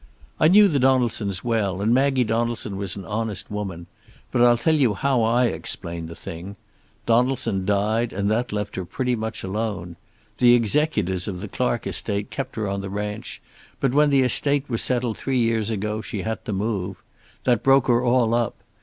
"I knew the Donaldsons well, and Maggie Donaldson was an honest woman. But I'll tell you how I explain the thing. Donaldson died, and that left her pretty much alone. The executors of the Clark estate kept her on the ranch, but when the estate was settled three years ago she had to move. That broke her all up.